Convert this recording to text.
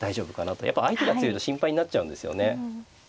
やっぱ相手が強いと心配になっちゃうんですよね。